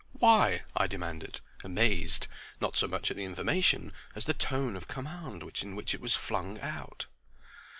"Why?" I demanded, amazed, not so much at the information as the tone of command in which it was flung out.